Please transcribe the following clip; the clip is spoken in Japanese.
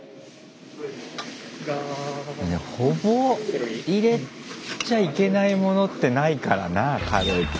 ほぼ入れちゃいけないものってないからなカレーって。